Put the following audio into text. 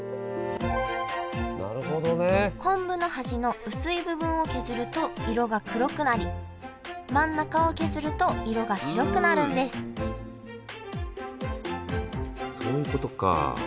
昆布の端の薄い部分を削ると色が黒くなり真ん中を削ると色が白くなるんですそういうことか。